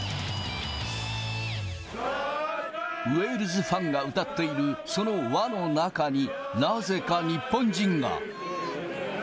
ウェールズファンが歌っている、その輪の中に、なぜか日本人が。